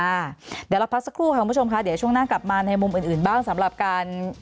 เดี๋ยวเราพักสักครู่ค่ะคุณผู้ชมค่ะเดี๋ยวช่วงหน้ากลับมาในมุมอื่นบ้างสำหรับการ